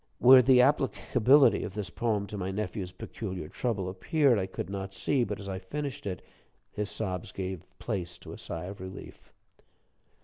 Where the applicability of this poem to my nephew's peculiar trouble appeared, I could not see, but as I finished it, his sobs gave place to a sigh of relief.